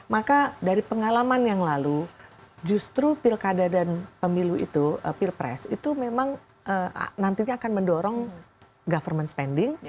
maka dari pengalaman yang lalu justru pilkada dan pemilu itu pilpres itu memang nantinya akan mendorong government spending